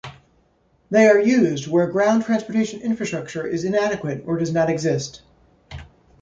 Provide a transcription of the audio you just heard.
They are used where ground transportation infrastructure is inadequate or does not exist.